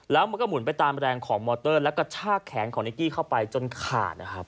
แล้วมันก็หมุนไปตามแรงของมอเตอร์แล้วก็ชากแขนของนิกกี้เข้าไปจนขาดนะครับ